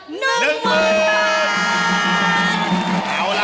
๑หมื่นบาท